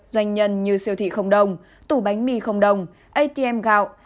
doanh nhân như siêu thị không đồng tủ bánh mì không đồng atm gạo